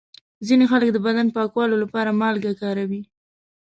ځینې خلک د بدن پاکولو لپاره مالګه کاروي.